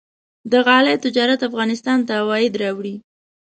د غالۍ تجارت افغانستان ته عواید راوړي.